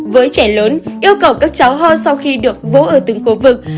với trẻ lớn yêu cầu các cháu ho sau khi được vu ở từng khu vực